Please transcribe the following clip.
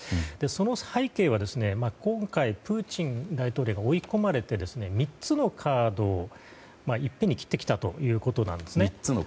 その背景は、今回プーチン大統領が追い込まれて３つのカードを一気に切ってきたということです。